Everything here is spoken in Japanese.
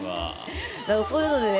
そういうのでね